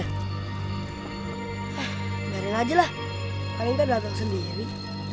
eh biarin aja lah paling tak dateng sendiri